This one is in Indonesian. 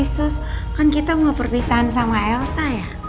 kan kita mau perpisahan sama elsa ya